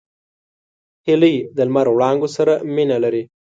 هیلۍ د لمر وړانګو سره مینه لري